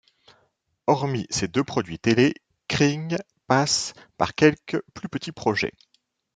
Hormis ces deux produits télé, Kring passe par quelques plus petits projets...